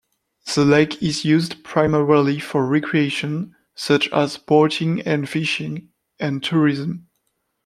The lake is used primarily for recreation, such as boating and fishing, and tourism.